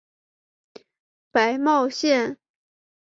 白茂线